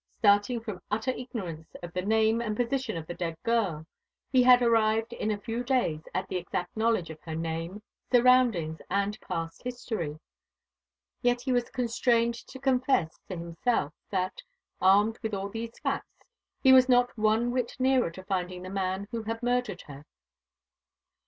Starting from utter ignorance of the name and position of the dead girl, he had arrived in a few days at an exact knowledge of her name, surroundings, and past history. Yet he was constrained to confess to himself that, armed with all these facts, he was not one whit nearer to finding the man who had murdered her.